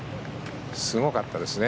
すごかったですね。